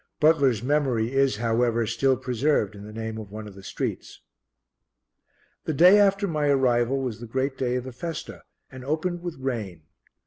Butler's memory is, however, still preserved in the name of one of the streets. The day after my arrival was the great day of the festa, and opened with rain.